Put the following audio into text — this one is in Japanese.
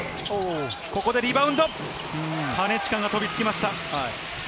ここでリバウンド、金近が飛びつきました。